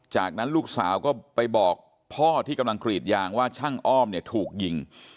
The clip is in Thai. จากนั้นลูกสาวก็ไปบอกพ่อที่กำลังกรีดยางว่าช่างอ้อมเนี่ยถูกยิง